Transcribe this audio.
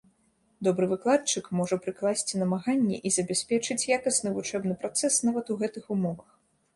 Добры выкладчык можа прыкласці намаганні і забяспечыць якасны вучэбны працэс нават у гэтых умовах.